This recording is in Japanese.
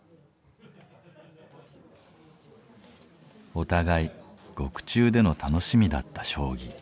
お互い獄中での楽しみだった将棋。